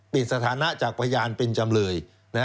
สถานะจากพยานเป็นจำเลย